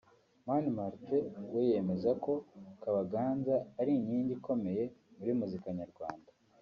Mani Martin we yemeza ko Kabaganza ari inkingi ikomeye muri muzika nyarwanda